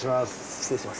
失礼します